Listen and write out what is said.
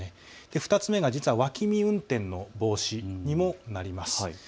２つ目が実は脇見運転の防止にももなります。